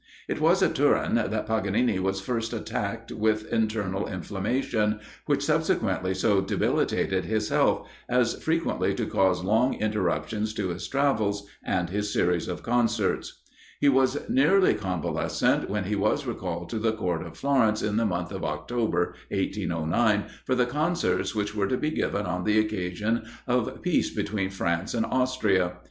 It was at Turin that Paganini was first attacked with internal inflammation, which subsequently so debilitated his health, as frequently to cause long interruptions to his travels, and his series of concerts. He was nearly convalescent, when he was recalled to the Court of Florence, in the month of October, 1809, for the concerts which were to be given on the occasion of peace between France and Austria.